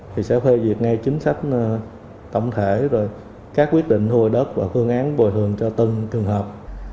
thì sẽ phê duyệt ngay chính sách tổng thể rồi các quyết định thu hồi đất và phương án bồi thường cho từng trường hợp